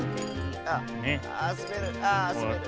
あっすべる。